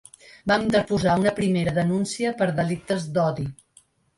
Vam interposar una primera denúncia per delictes d’odi.